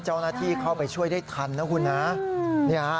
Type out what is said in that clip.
เจ้าหน้าที่เข้าไปช่วยได้ทันนะคุณนะ